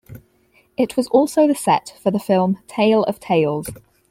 It was also the set for the film "Tale of Tales".